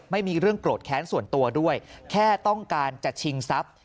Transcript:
ไม่มีเรื่องโกรธแค้นส่วนตัวด้วยแค่ต้องการจะชิงทรัพย์